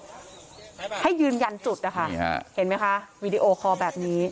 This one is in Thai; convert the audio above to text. ให้ยืนยันจุดนะคะนี่ฮะเห็นไหมคะวีดีโอคอลแบบนี้